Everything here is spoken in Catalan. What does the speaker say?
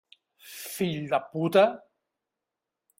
Fill de puta!